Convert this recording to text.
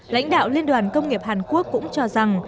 lãnh đạo liên đoàn công nghiệp hàn quốc cũng cho rằng